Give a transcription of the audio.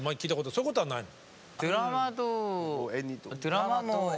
そういうことはないの？